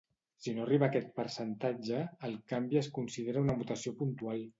Si no arriba a aquest percentatge, el canvi es considera una mutació puntual.